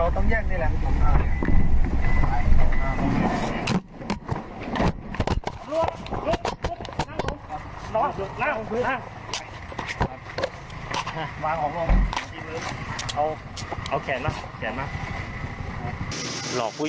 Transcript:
สาบานนะครับผมครับ